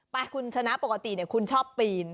ไปคุณชนะปกติคุณชอบปีน